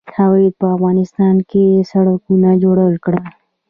دوی په افغانستان کې سړکونه جوړ کړل.